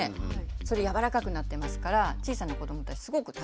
それ柔らかくなってますから小さな子どもたちすごく食べやすいです。